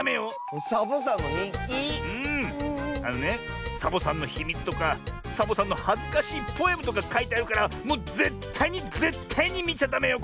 あのねサボさんのひみつとかサボさんのはずかしいポエムとかかいてあるからもうぜったいにぜったいにみちゃダメよ。